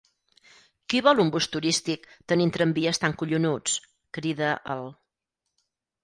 Qui vol un bus turístic tenint tramvies tan collonuts? —crida el